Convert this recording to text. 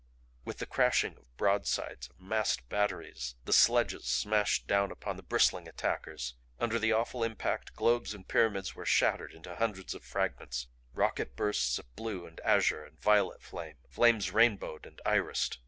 With the crashing of broadsides of massed batteries the sledges smashed down upon the bristling attackers. Under the awful impact globes and pyramids were shattered into hundreds of fragments, rocket bursts of blue and azure and violet flame, flames rainbowed and irised.